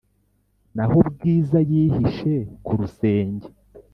naho bwiza yihishe kurusenge